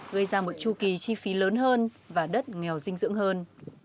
gây ra một chu kỳ chi phí lớn hơn và đất nghèo dinh dưỡng hơn